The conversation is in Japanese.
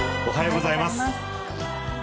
おはようございます。